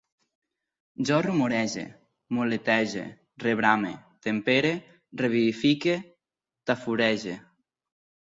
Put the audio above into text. Jo rumorege, moletege, rebrame, tempere, revivifique, tafurege